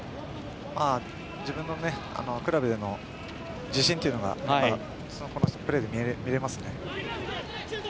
自分のクラブでの自信というのがこのプレーで見られますね。